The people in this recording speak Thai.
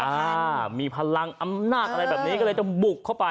อ่ามีพลังอำนาจอะไรแบบนี้ก็เลยต้องบุกเข้าไป